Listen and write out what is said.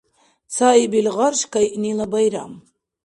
Цаибил гъарш кайънила байрам